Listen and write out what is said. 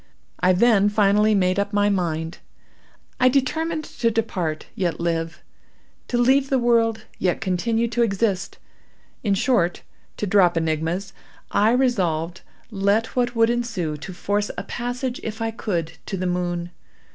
I then finally made up my mind. I determined to depart, yet live—to leave the world, yet continue to exist—in short, to drop enigmas, I resolved, let what would ensue, to force a passage, if I could, to the moon.